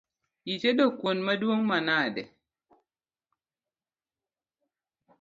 Itedo kuon maduong’ manade?